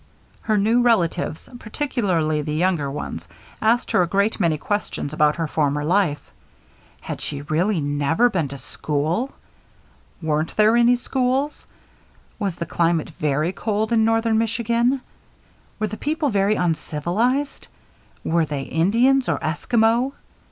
Her new relatives, particularly the younger ones, asked her a great many questions about her former life. Had she really never been to school? Weren't there any schools? Was the climate very cold in Northern Michigan? Were the people very uncivilized? Were they Indians or Esquimaux?